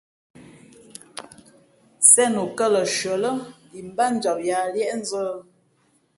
Sēn o kά lα nshʉα lά imbátjam yāā liéʼnzᾱ ?